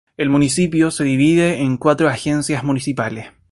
El municipio de divide en cuatro agencias municipales.